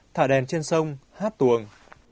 thả đèn trên sông hát tuồng